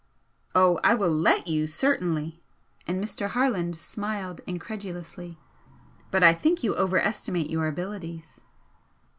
"Oh, I will 'let' you, certainly!" and Mr. Harland smiled incredulously, "But I think you over estimate your abilities."